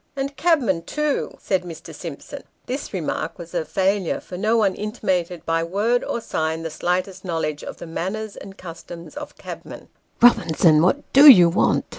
" And cabmen, too," said Mr. Simpson. This remark was a failure, for no one intimated, by word or sign, the slightest knowledge of the manners and customs of cabmen. " Eobinson, what do you want